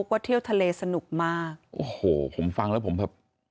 ว่าเที่ยวทะเลสนุกมากโอ้โหผมฟังแล้วผมแบบ